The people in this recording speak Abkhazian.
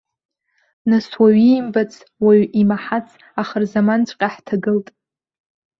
Нас уаҩ иимбац, уаҩ имаҳац ахырзаманҵәҟьа ҳҭагылт.